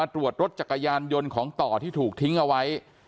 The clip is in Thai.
ตรวจรถจักรยานยนต์ของต่อที่ถูกทิ้งเอาไว้